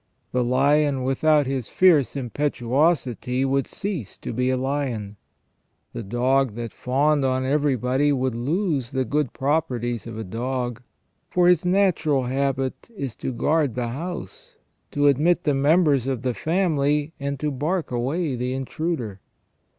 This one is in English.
The lion without his fierce impetuosity would cease to be a lion. The dog that fawned on everybody would lose the good properties of a dog ; for his natural habit is to guard the house, to admit the members of the family, and to bark away the intruder.